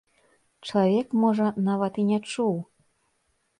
Чалавек, можа, нават і не чуў.